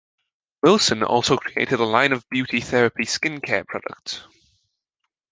Wilson also created a line of beauty therapy skin care products.